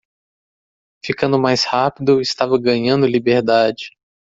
Ficando mais rápido estava ganhando liberdade.